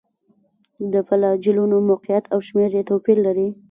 د فلاجیلونو موقعیت او شمېر یې توپیر لري.